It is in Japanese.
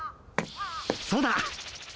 そうだ。